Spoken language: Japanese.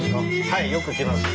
はいよく来ます。